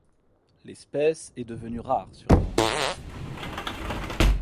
L'espèce est devenue rare sur Grande Terre.